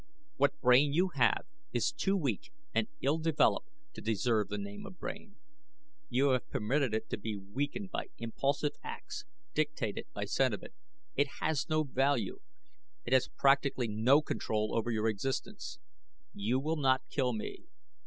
What brain you have is too weak and ill developed to deserve the name of brain. You have permitted it to be weakened by impulsive acts dictated by sentiment. It has no value. It has practically no control over your existence. You will not kill me.